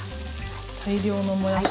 大量のもやし。